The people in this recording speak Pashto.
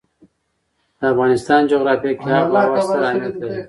د افغانستان جغرافیه کې آب وهوا ستر اهمیت لري.